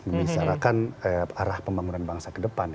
membicarakan arah pembangunan bangsa ke depan